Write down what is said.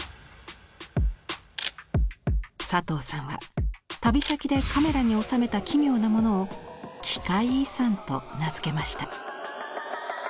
佐藤さんは旅先でカメラに収めた奇妙なものを「奇界遺産」と名付けました。